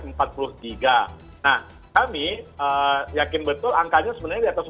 nah kami yakin betul angkanya sebenarnya di atas empat puluh tiga